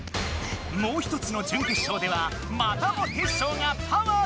もう一つの準決勝ではまたもテッショウがパワーで圧勝！